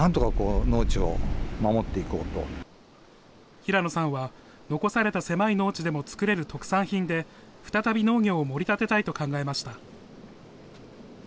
平野さんは、残された狭い農地でも作れる特産品で、再び農業を盛り立てたいと考えました。